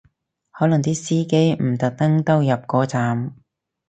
可能啲司機唔特登兜入個站